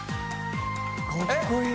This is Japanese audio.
かっこいい。